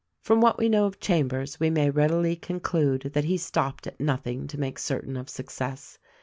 From what we know of Chambers we may readily conclude that he stopped at nothing to make certain of success.